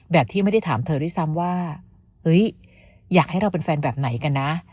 ที่ไม่ได้ถามเธอด้วยซ้ำว่าเฮ้ยอยากให้เราเป็นแฟนแบบไหนกันนะ